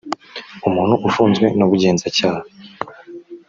umuntu ufunzwe n’ ubugenzacyaha